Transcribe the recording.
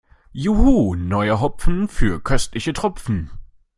Juhu, neuer Hopfen für köstliche Tropfen!